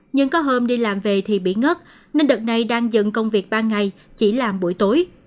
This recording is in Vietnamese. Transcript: nhưng có hôm đi làm về thì bị ngất nên đợt này đang dừng công việc ba ngày chỉ làm buổi tối